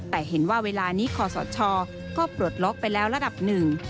แต่เห็นว่าเวลานี้ขอสชก็ปลดล็อกไปแล้วระดับหนึ่ง